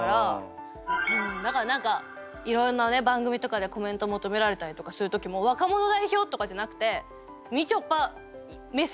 うん何かいろんな番組とかでコメント求められたりとかする時も若者代表とかじゃなくてみちょぱ目線。